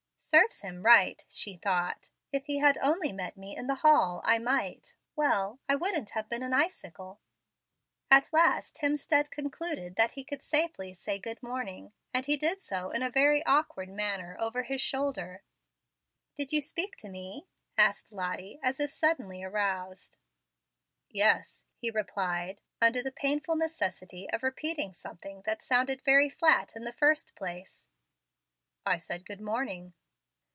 "Serves him right," she thought. "If he had only met me in the hall, I might well, I wouldn't have been an icicle." At last Hemstead concluded that he could safely say "good morning"; and he did so in a very awkward manner over his shoulder. "Did you speak to me?" asked Lottie, as if suddenly aroused. "Yes," he replied, under the painful necessity of repeating something that had sounded very flat in the first place, "I said good morning."